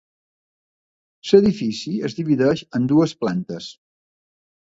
L'edifici es divideix en dues plantes.